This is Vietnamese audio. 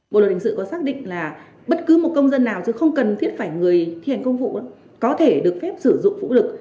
bộ luật hình sự có xác định là bất cứ một công dân nào chứ không cần thiết phải người thi hành công vụ có thể được phép sử dụng vũ lực